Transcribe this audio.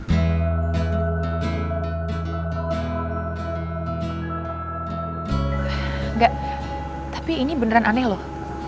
enggak tapi ini beneran aneh loh